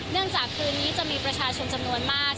จากคืนนี้จะมีประชาชนจำนวนมาก